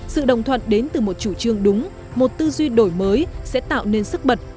sự đồng thuận đến từ một chủ trương đúng một tư duy đổi mới sẽ tạo nên sức bật